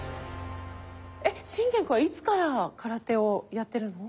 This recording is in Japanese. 心源くんはいつから空手をやってるの？